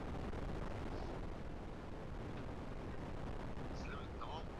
Binadamu anaweza kuupata ugonjwa huu kutoka kwa wanyama walioambukizwa kwa kunywa maziwa ambayo hayajachemshwa